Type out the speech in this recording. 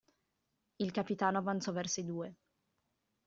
Il capitano avanzò verso i due.